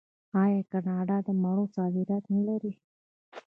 آیا کاناډا د مڼو صادرات نلري؟